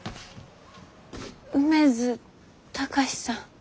梅津貴司さん。